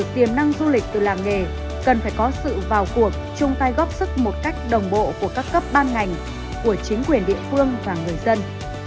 tiềm năng du lịch từ làng nghề cần phải có sự vào cuộc chung tay góp sức một cách đồng bộ của các cấp ban ngành của chính quyền địa phương và người dân